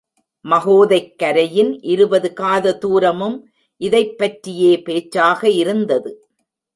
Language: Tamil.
மகோதைக் கரையின் இருபது காத துரமும் இதைப் பற்றியே பேச்சாக இருந்தது.